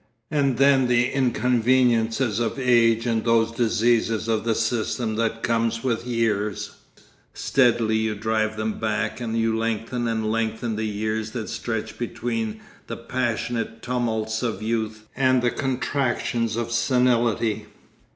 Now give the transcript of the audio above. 'And then the inconveniences of age and those diseases of the system that come with years; steadily you drive them back and you lengthen and lengthen the years that stretch between the passionate tumults of youth and the contractions of senility.